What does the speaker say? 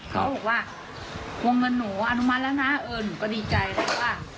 เขาบอกว่าวงเงินหนูอนุมัติแล้วนะเออหนูก็ดีใจแล้วว่า